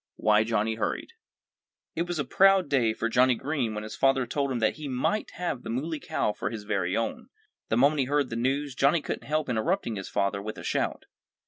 II WHY JOHNNIE HURRIED It was a proud day for Johnnie Green when his father told him that he might have the Muley Cow for his very own. The moment he heard the news Johnnie couldn't help interrupting his father with a shout.